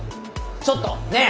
ちょっとねえ！